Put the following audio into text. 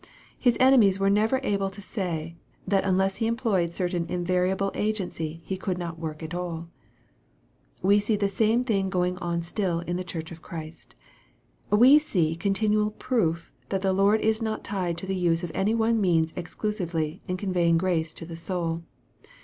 His enemies were never able to say, that unless He employed certain invariable agency He could not work at all. We see the same thing going on still in the Church of Christ. We see continual proof that the Lord is not tied to the use of any one means exclusively in convey ing grace to the soul.